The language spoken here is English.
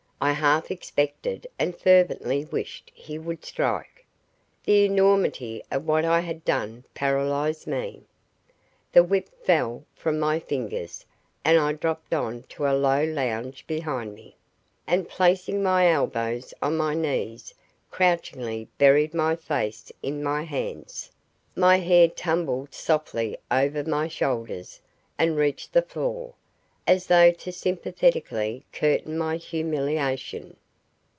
I half expected and fervently wished he would strike. The enormity of what I had done paralysed me. The whip fell from my fingers and I dropped on to a low lounge behind me, and placing my elbows on my knees crouchingly buried my face in my hands; my hair tumbled softly over my shoulders and reached the floor, as though to sympathetically curtain my humiliation.